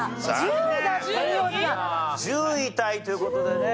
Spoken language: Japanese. １０位タイという事でね。